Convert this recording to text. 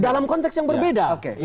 dalam konteks yang berbeda